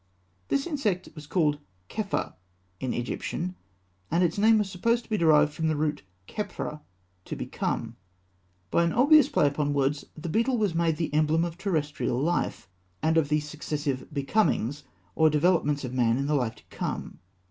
This insect was called kheper in Egyptian, and its name was supposed to be derived from the root khepra, "to become." By an obvious play upon words, the beetle was made the emblem of terrestrial life, and of the successive "becomings" or developments of man in the life to come.